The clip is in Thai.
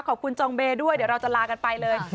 จองเบย์ด้วยเดี๋ยวเราจะลากันไปเลย